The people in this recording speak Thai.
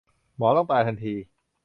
หมอต้องตายทันที